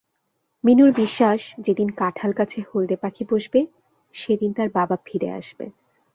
মিনুর বিশ্বাস যেদিন কাঁঠালগাছে হলদে পাখি বসবে, সেদিন তার বাবা ফিরে আসবে।